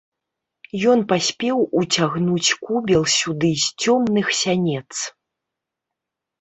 Ён паспеў уцягнуць кубел сюды з цёмных сянец.